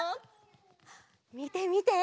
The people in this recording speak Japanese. みてみて！